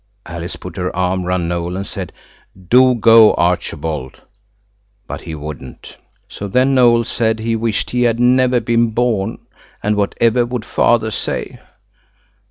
Alice put her arm round Noël and said: "Do go, Archibald." But he wouldn't. So then Noël said he wished he had never been born, and whatever would Father say.